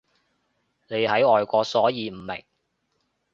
你喺外國所以唔明